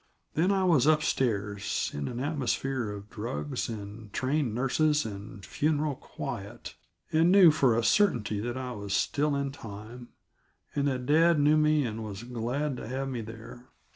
Then I was up stairs, in an atmosphere of drugs and trained nurses and funeral quiet, and knew for a certainty that I was still in time, and that dad knew me and was glad to have me there.